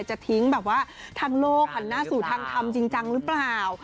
จะทิ้งแบบว่าทางโลกหันหน้าสู่ทางทำจริงจังหรือเปล่า